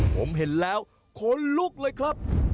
ผมเห็นแล้วขนลุกเลยครับ